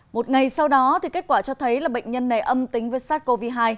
một ngày sau đó kết quả cho thấy là bệnh nhân này âm tính với sars cov hai